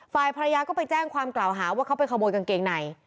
ฝ่ายภรรยาก็ไปแจ้งความกล่าวหาว่าเขาไปขโมยกางเกงใน